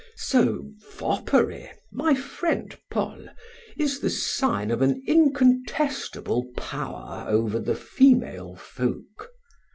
So, foppery, my friend Paul, is the sign of an incontestable power over the female folk.